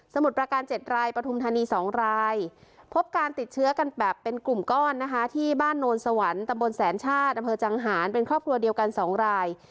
มุดประการ๗รายปฐุมธานี๒รายพบการติดเชื้อกันแบบเป็นกลุ่มก้อนนะคะที่บ้านโนนสวรรค์ตะบนแสนชาติอำเภอจังหารเป็นครอบครัวเดียวกัน๒ราย